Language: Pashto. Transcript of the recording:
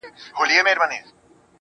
د لېونتوب اته شپيتمو دقيقو کي بند دی_